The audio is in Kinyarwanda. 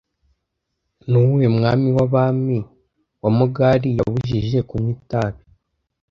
Ni uwuhe mwami w'abami wa Mogali yabujije kunywa itabi